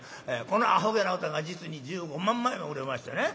このアホげな歌が実に１５万枚も売れましてね。